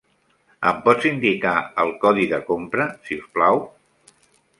Em pots indicar el codi de compra, si us plau?